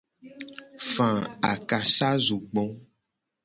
Fa akasazogbo.